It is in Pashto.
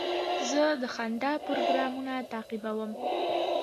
زه د خندا پروګرامونه تعقیبوم.